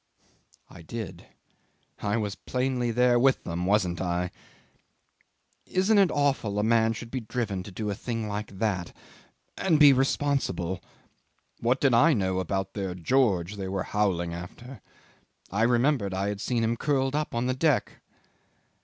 "I did. I was plainly there with them wasn't I? Isn't it awful a man should be driven to do a thing like that and be responsible? What did I know about their George they were howling after? I remembered I had seen him curled up on the deck.